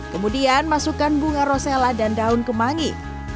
kemudian masukkan bunga rosella dan daun kemangi